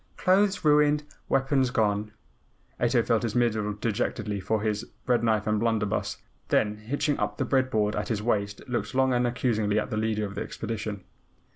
Clothes ruined, weapons gone," (Ato felt his middle dejectedly for his bread knife and blunderbuss), then hitching up the bread board at his waist looked long and accusingly at the Leader of the Expedition.